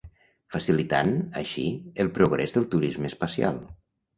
Facilitant, així, el progrés del turisme espacial.